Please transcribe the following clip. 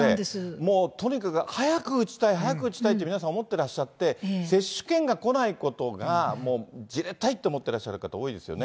もうとにかく早く打ちたい、早く打ちたいって皆さん思ってらっしゃって、接種券が来ないことが、もうじれったいって思ってらっしゃる方多いですよね。